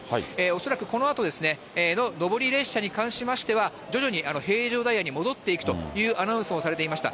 恐らくこのあと上り列車に関しましては、徐々に平常ダイヤに戻っていくというアナウンスもされていました。